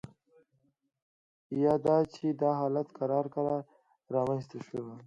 یا دا چې دا حالت کرار کرار رامینځته شوی دی